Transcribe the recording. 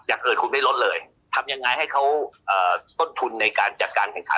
อย่างอื่นคุณไม่ลดเลยทำยังไงให้เขาต้นทุนในการจัดการแข่งขัน